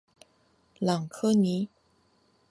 朗科尼。